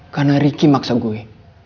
karena riki maksa gue